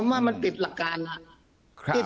ผมว่ามันติดหลักกาหลัง